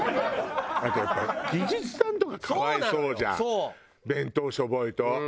あとやっぱ技術さんとか可哀想じゃん弁当しょぼいと。